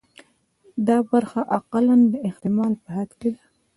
دا برخه اقلاً د احتمال په حد کې ده.